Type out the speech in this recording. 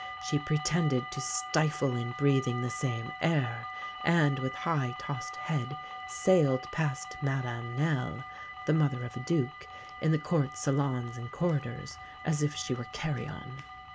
She pretended to stifle in breathing the same air, and with high tossed head sailed past Madame Nell (the mother of a duke), in the Court salons and corridors, as if she were carrion.